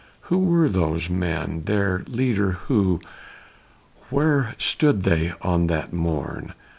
Who were those men their leader who? Where stood they on that morn?